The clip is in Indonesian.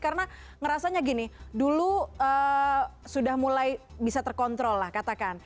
karena ngerasanya gini dulu sudah mulai bisa terkontrol lah katakan